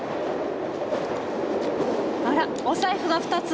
あらお財布が２つも。